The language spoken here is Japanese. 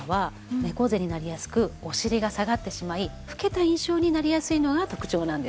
猫背になりやすくお尻が下がってしまい老けた印象になりやすいのが特徴なんです。